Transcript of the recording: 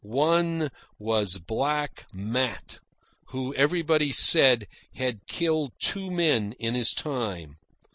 One was Black Matt, who, everybody said, had killed two men in his time.